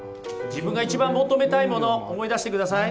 自分が一番求めたいもの思い出してください。